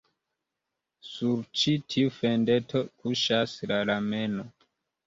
Sur ĉi tiu fendeto kuŝas la lameno.